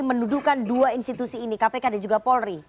mendudukan dua institusi ini kpk dan juga polri